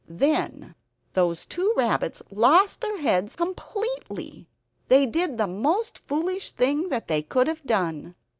Then those two rabbits lost their heads completely. They did the most foolish thing that they could have done.